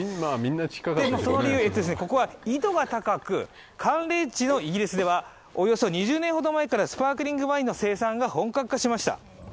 その理由は、ここは緯度が高く、寒冷地のイギリスではおよそ２０年前からスパークリングワインの生産が本格化しました。